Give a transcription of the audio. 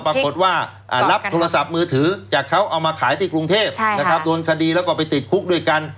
ปรากฏว่ารับโทรศัพท์มือถือจากเขาเอามาขายที่กรุงเทพโดนคดีแล้วก็ไปติดคุกด้วยกัน